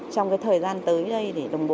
trong cái thời gian tới đây để đồng bộ